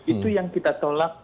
itu yang kita tolak